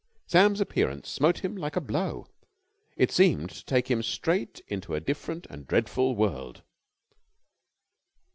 Sam's appearance smote him like a blow. It seemed to take him straight into a different and dreadful world.